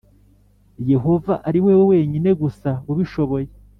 Yehova ari wowe wenyine gusa ubishoboye